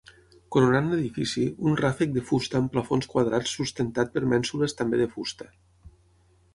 Coronant l'edifici, un ràfec de fusta amb plafons quadrats sustentat per mènsules també de fusta.